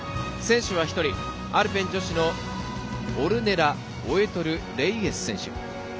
選手は１人、アルペン女子のオルネラ・オエトルレイエス選手。